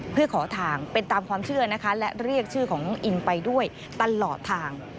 เพื่อขอทางเป็นตามความเชื่อนะคะและเรียกชื่อของน้องอินไปด้วยตลอดทาง